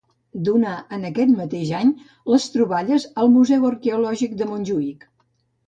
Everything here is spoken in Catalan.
Donà, en aquest mateix any, les troballes al Museu Arqueològic de Montjuïc.